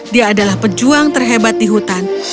dia adalah pejuang terhebat di hutan